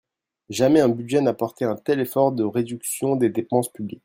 Jamais un budget n’a porté un tel effort de réduction des dépenses publiques.